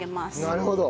なるほど。